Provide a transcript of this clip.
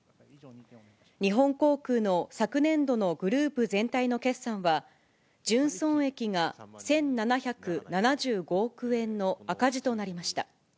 日本航空の昨年度のグループ全体の決算は、純損益が１７７５億円の赤字となりました。